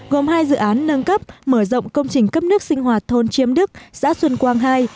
gồm hai dự án nâng cấp mở rộng công trình cấp nước sinh hoạt thôn chiếm đức xã xuân quang hai